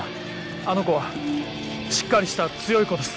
あの子はしっかりした強い子です。